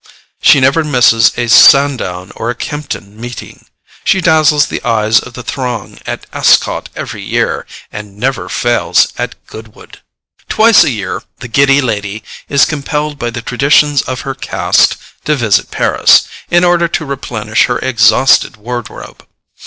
She never misses a Sandown or a Kempton meeting; she dazzles the eyes of the throng at Ascot every year, and never fails at Goodwood. Twice a year the Giddy Lady is compelled by the traditions of her caste to visit Paris, in order to replenish her exhausted wardrobe.